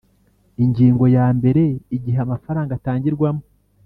Ingingo ya mbere Igihe amafaranga atangirwamo